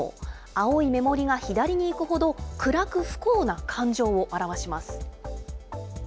青いメモリが左に行くほど、暗く不幸な感情を表します。